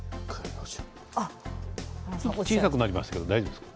小さくなりますけれども大丈夫ですか。